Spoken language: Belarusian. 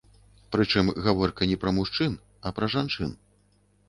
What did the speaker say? Прычым гаворка не пра мужчын, а пра жанчын.